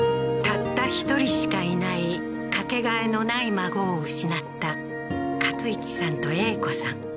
たった１人しかいないかけがえのない孫を失った勝一さんとエイ子さん